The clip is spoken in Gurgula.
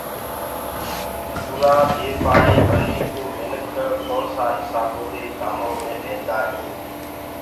اُرآ بي پآڙهي ولي ڪوُ منک دو ڪآ هسآبودي ڪآمو مي ليندآ هينٚ۔